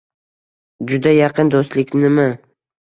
- Juda yaqin do'stliknimi?